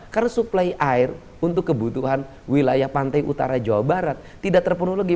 karena suplai air untuk kebutuhan wilayah pantai utara jawa barat tidak terpenuh lagi